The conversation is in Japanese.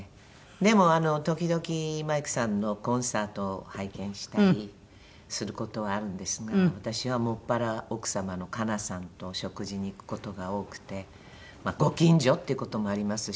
でも時々マイクさんのコンサートを拝見したりする事はあるんですが私はもっぱら奥様の加奈さんとお食事に行く事が多くてご近所っていう事もありますし。